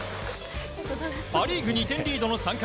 パ・リーグ２点リードの３回。